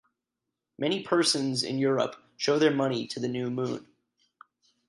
Many persons in Europe show their money to the new moon.